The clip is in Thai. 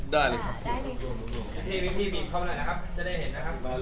ได้เลยครับ